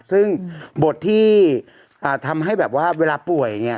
ซึ่งบทที่ทำให้แบบว่าเวลาป่วยเนี่ย